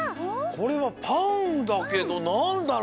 これはパンだけどなんだろう？